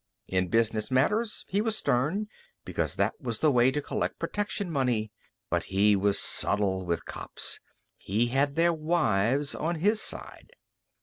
In business matters he was stern, because that was the way to collect protection money. But he was subtle with cops. He had their wives on his side.